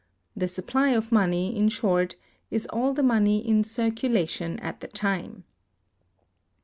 The supply of money, in short, is all the money in circulation at the time.